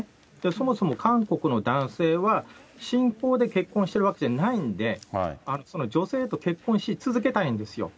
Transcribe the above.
そもそも韓国の男性は、信仰で結婚してるわけじゃないんで、女性と結婚し続けたいんですよ。